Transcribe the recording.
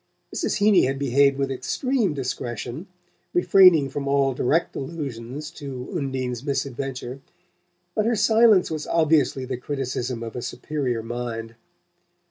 Mrs. Heeny had behaved with extreme discretion, refraining from all direct allusions to Undine's misadventure; but her silence was obviously the criticism of a superior mind.